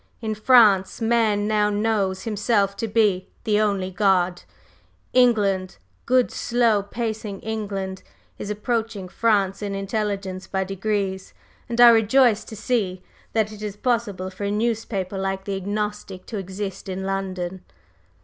In France, man now knows himself to be the only God; England good, slow pacing England is approaching France in intelligence by degrees, and I rejoice to see that it is possible for a newspaper like the Agnostic to exist in London.